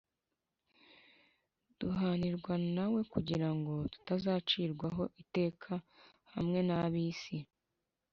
duhanirwa na we kugira ngo tutazacirirwaho iteka hamwe n'ab'isi